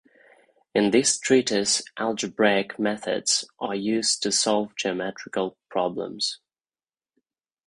In this treatise algebraic methods are used to solve geometrical problems.